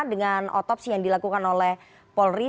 dengan otopsi yang dilakukan oleh polri